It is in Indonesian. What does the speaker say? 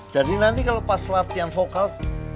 jadi nanti pas latihan vokal